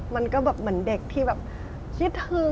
มันก็เหมือนเด็กที่คิดถึง